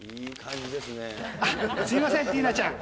あっ、すみません、ティーナちゃん。